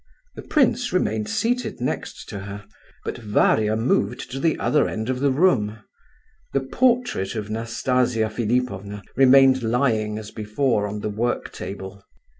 The prince remained seated next to her, but Varia moved to the other end of the room; the portrait of Nastasia Philipovna remained lying as before on the work table.